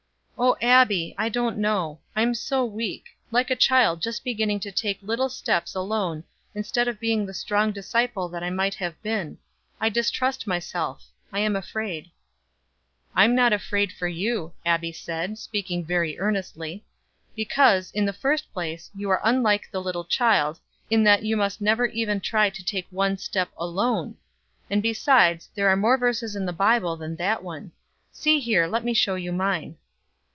"Oh, Abbie, I don't know. I am so weak like a child just beginning to take little steps alone, instead of being the strong disciple that I might have been. I distrust myself. I am afraid." "I'm not afraid for you," Abbie said, speaking very earnestly. "Because, in the first place you are unlike the little child, in that you must never even try to take one step alone. And besides, there are more verses in the Bible than that one. See here, let me show you mine."